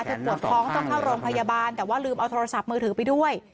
ปวดท้องต้องเข้าโรงพยาบาลแต่ว่าลืมเอาโทรศัพท์มือถือไปด้วย